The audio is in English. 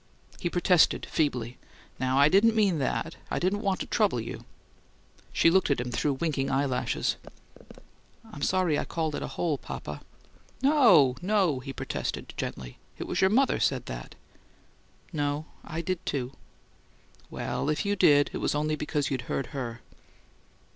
He protested feebly. "Now, I didn't mean that I didn't want to trouble you " She looked at him through winking eyelashes. "I'm sorry I called it a 'hole,' papa." "No, no," he protested, gently. "It was your mother said that." "No. I did, too." "Well, if you did, it was only because you'd heard her."